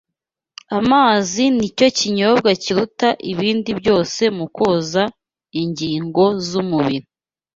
Amazi ni cyo kinyobwa kiruta ibindi byose mu koza ingingo z’umubiri.